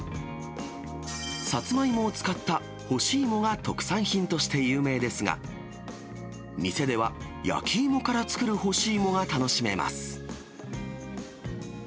サツマイモを使った干し芋が特産品として有名ですが、店では焼き芋から作る干し芋が楽しめます。